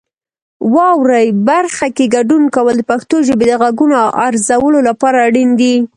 واورئ برخه کې ګډون کول د پښتو ژبې د غږونو ارزولو لپاره اړین دي.